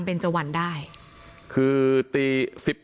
หนูจะให้เขาเซอร์ไพรส์ว่าหนูเก่ง